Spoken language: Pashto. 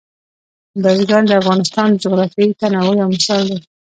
بزګان د افغانستان د جغرافیوي تنوع یو مثال دی.